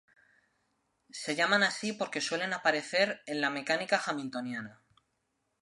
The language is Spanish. Se llaman así porque suelen aparecer en la mecánica hamiltoniana.